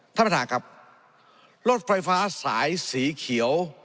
ท่านประธานครับรถไฟฟ้าสายสีเขียว